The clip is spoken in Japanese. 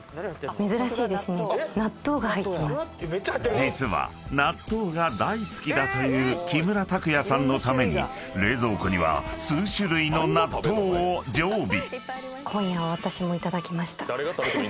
［実は納豆が大好きだという木村拓哉さんのために冷蔵庫には数種類の納豆を常備］